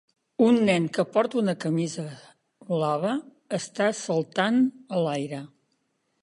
Un nen que porta una camisa blava està saltant a l'aire.